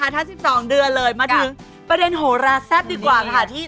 อายุน้อยกว่าเลยนะอายุน้อยกว่า